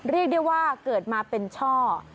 เรียกได้ว่าเกิดมาเป็นช่อ